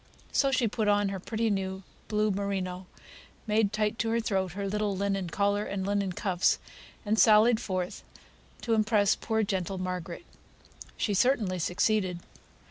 So she put on her pretty new blue merino, made tight to her throat, her little linen collar and linen cuffs, and sallied forth to impress poor gentle Margaret. She certainly succeeded.